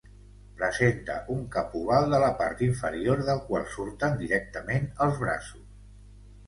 Presenta un cap oval de la part inferior del qual surten directament els braços.